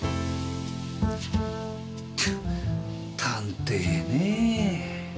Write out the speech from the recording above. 探偵ねぇ。